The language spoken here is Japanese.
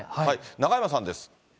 中山さんです。